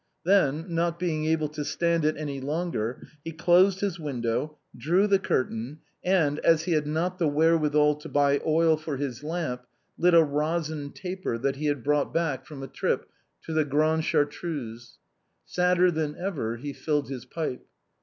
Then, not being able to stand it any longer, he closed his window, drew the curtain, and, as he had not the wherewithal to buy oil for his lamp, lit a resin taper that he had brought back from a trip to the Grande Chartreuse. Sadder than ever he filled his pipe.